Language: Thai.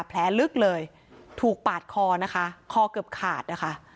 แผลลึกเลยถูกปาดคอนะคะคอเกือบขาดนะคะ